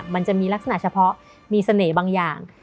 มันจะมีลักษณะเฉพาะมีเสน่ห์บางอย่าง